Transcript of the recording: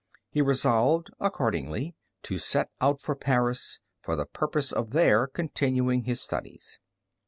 He resolved, accordingly, to set out for Paris for the purpose of there continuing his studies.